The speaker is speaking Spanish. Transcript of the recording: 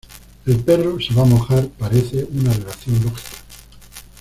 El perro se va a mojar" parece un relación lógica.